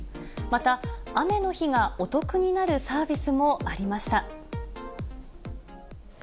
また、雨の日がお得になるサービスもありました。